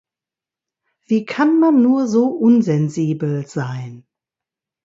Wie kann man nur so unsensibel sein?